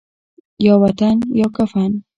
یا وطن یا کفن